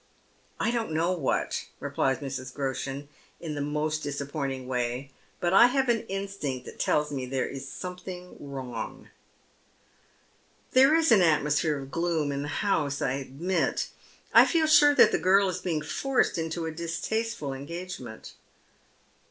*' I don't know what," replies Mrs. Groshen, in the most disap pointing way, " but I have an instinct that tells me there is Bomething wrong." " There is an atmosphere of gloom in the house, I admit. I feel sure that girl is being forced into a distasteful engagement."